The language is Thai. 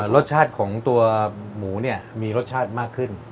รสชาติของตัวหมูมีรสชาติพอมากขึ้น